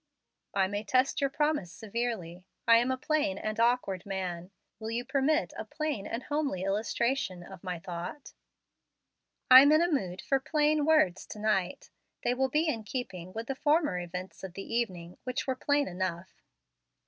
"I may test your promise severely. I am a plain and awkward man. Will you permit a plain and homely illustration of my thought?" "I'm in a mood for plain words to night. They will be in keeping with the former events of the evening, which were plain enough."